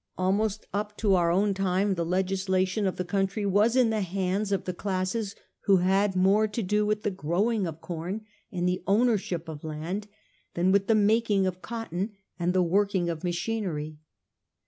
Almost up to our own time the legislation of the country was in the hands of the classes who had more to do with the growing of com and the owner ship of land than with the making of cotton and the working of machinery.